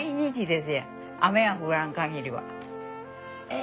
え。